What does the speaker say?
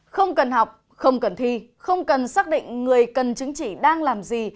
không cần học không cần thi không cần xác định người cần chứng chỉ đang làm gì